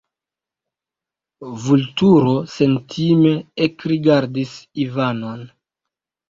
Vulturo sentime ekrigardis Ivanon.